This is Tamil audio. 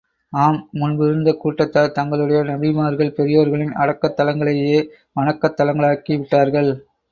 ஆம், முன்பு இருந்த கூட்டத்தார் தங்களுடைய நபிமார்கள், பெரியோர்களின் அடக்கத் தலங்களையே வணக்கத் தலங்களாக்கி விட்டார்கள்.